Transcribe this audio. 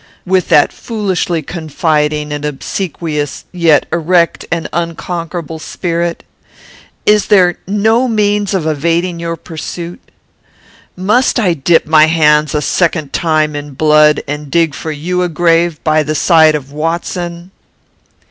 With that foolishly confiding and obsequious, yet erect and unconquerable, spirit? Is there no means of evading your pursuit? Must I dip my hands, a second time, in blood; and dig for you a grave by the side of Watson?"